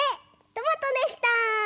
トマトでした。